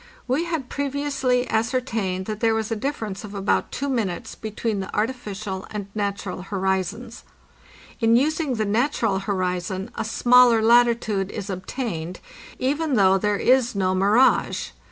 We had previously ascertained that there was a difference of about two minutes between the artificial and natural horizons. In using the natural horizon a smaller latitude is obtained, even though there is no mirage.